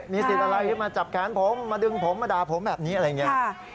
สิทธิ์อะไรขึ้นมาจับแขนผมมาดึงผมมาด่าผมแบบนี้อะไรอย่างนี้